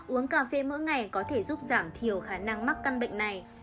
uống cà phê mỗi ngày có thể giúp giảm thiểu khả năng mắc căn bệnh này